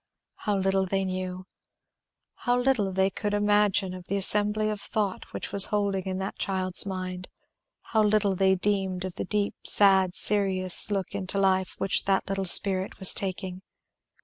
How little they knew! How little they could imagine the assembly of Thought which was holding in that child's mind; how little they deemed of the deep, sad, serious look into life which that little spirit was taking.